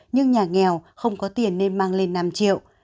nhưng nhà nghèo không có tiền nên mang lên năm triệu